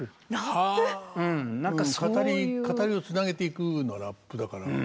語りをつなげていくのはラップだから。